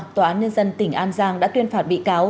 tòa án nhân dân tỉnh an giang đã tuyên phạt bị cáo